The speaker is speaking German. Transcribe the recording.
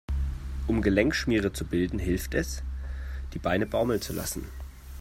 Um Gelenkschmiere zu bilden, hilft es, die Beine baumeln zu lassen.